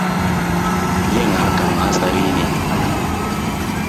Yin hakan hatsari ne.